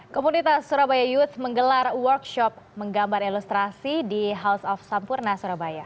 komunitas surabaya youth menggelar workshop menggambar ilustrasi di house of sampurna surabaya